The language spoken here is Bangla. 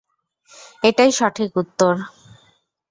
এটাই সঠিক উত্তর!